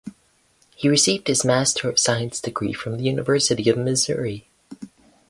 He received his Master of Science degree from the University of Missouri.